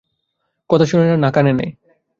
কথা শোনে, না কানে নেয়?